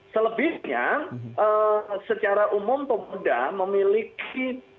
selebihnya secara umum pemuda memiliki